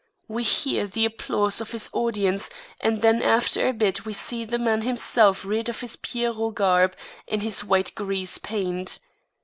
We hear the applause of his audience and then after a bit we see the man himself rid of his Pierrot garb and his white grease paint.